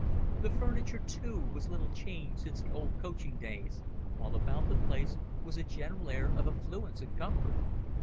The furniture, too, was little changed since the old coaching days, while about the place was a general air of affluence and comfort.